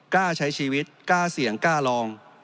กล้าใช้ชีวิตกล้าเสี่ยงกล้าลอง